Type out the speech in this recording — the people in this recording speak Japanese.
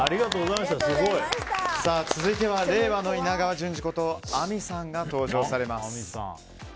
続いては令和の稲川淳二ことぁみさんが登場されます。